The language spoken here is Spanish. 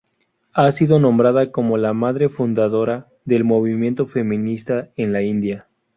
Ha sido nombrada como la "madre fundadora" del movimiento feminista en la India.